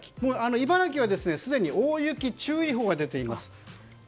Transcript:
茨城はすでに大雪注意報が出ています。